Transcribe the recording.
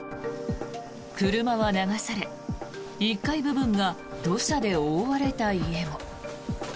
車は流され、１階部分が土砂で覆われた家も。